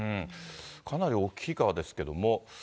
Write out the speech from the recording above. かなり大きい川ですけども。